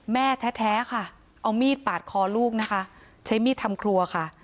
แม่แท้ค่ะเอามีดปาดคอลูกนะคะใช้มีดทำครัวค่ะ